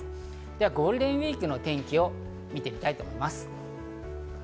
ではゴールデンウイークの天気を見てみたいと思います。